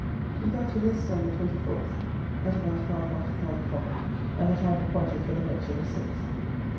We got to Leicester on the 24th at about half after five o'clock; and the time appointed for the lecture was six.